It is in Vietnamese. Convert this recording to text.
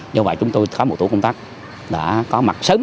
do vậy chúng tôi có một tổ công tác đã có mặt sớm